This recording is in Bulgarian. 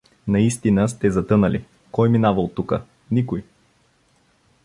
— Наистина сте затънали: кой минава оттука — никой.